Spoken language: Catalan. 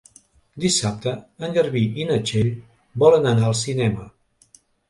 Dissabte en Garbí i na Txell volen anar al cinema.